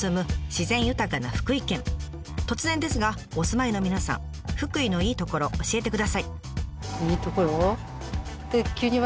自然豊かな突然ですがお住まいの皆さん福井のいいところ教えてください。